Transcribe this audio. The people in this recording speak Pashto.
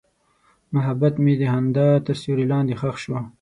محبت مې د خندا تر سیوري لاندې ښخ شو.